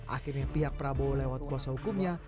akhirnya pihak prabowo lewat kuasa hukumnya